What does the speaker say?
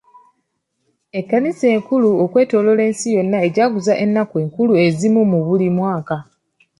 Ekkanisa okwetooloola ensi yonna ejaguza ennaku enkulu ezimu buli mwaka.